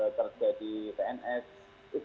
seperti kita meliburkan